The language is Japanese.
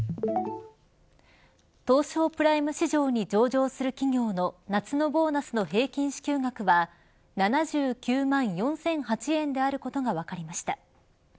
東証プライム市場に上場する企業の夏のボーナスの平均支給額は７９万４００８円であることが分かりました。